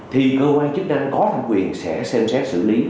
thì cơ quan chức năng có thẩm quyền sẽ xem xét xử lý